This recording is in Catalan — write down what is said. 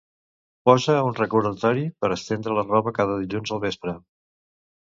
Posa un recordatori per estendre la roba cada dilluns al vespre.